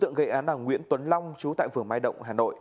giá lợn hơi xuống thấp